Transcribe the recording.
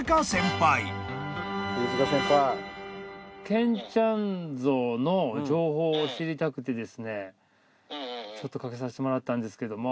健ちゃん像の情報を知りたくてですねかけさせてもらったんですけども。